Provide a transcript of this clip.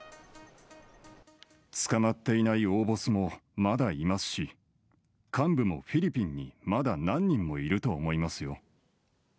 捕まっていない大ボスもまだいますし、幹部もフィリピンにまだ何人もいると思いますよ。